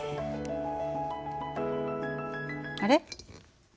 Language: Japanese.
あれ？